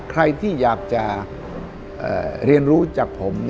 ใครที่อยากจะเรียนรู้จากผม